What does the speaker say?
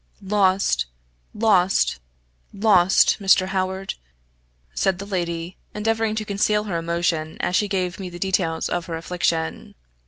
"Lost! lost! lost! Mr. Howard!" said the lady, endeavoring to conceal her emotion, as she gave me the details of her affliction.